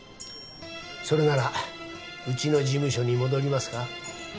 それならうちの事務所に戻りますか？